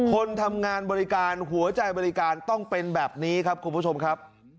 คนทำงานบริการหัวใจบริการต้องเป็นแบบนี้ครับคุณผู้ชมครับ